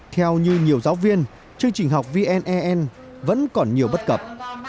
theo như nhiều giáo viên chương trình học vne vẫn còn nhiều bất cập